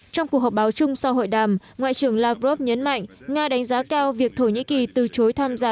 trong cuộc họp báo chung sau hội đàm ngoại trưởng lavrov nhấn mạnh nga đánh giá cao việc thổ nhĩ kỳ từ chối tham gia